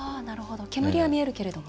煙は見えるけれども。